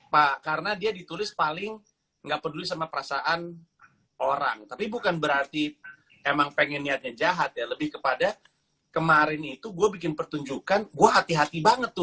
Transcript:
pak karena dia ditulis paling nggak peduli sama perasaan orang tapi bukan berarti emang pengen niatnya jahat ya lebih kepada kemarin itu gue bikin pertunjukan gue hati hati banget tuh